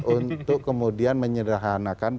untuk kemudian menyederhanakan